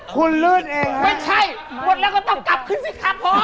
คุณลื่นเองไม่ใช่หมดแล้วก็ต้องกลับขึ้นสิครับพ่อ